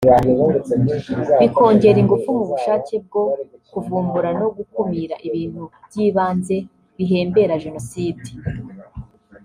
bikongera ingufu mu bushake bwo kuvumbura no gukumira ibintu by’ibanze bihembera jenoside